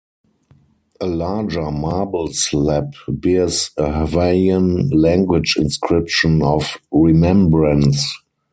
A larger marble slab bears a Hawaiian language inscription of remembrance.